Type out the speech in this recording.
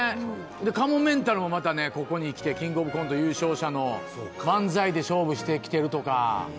かもめんたるも、ここに来て、キングオブコント優勝者の、漫才で勝負してきてるとか。